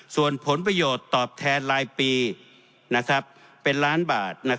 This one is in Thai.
ส่วนผลประโยชน์ตอบแทนรายปีเป็นล้านบาท